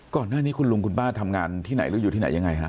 ก่อนหน้านี้คุณลุงคุณป้าทำงานที่ไหนหรืออยู่ที่ไหนยังไงฮะ